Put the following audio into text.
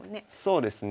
そうですね。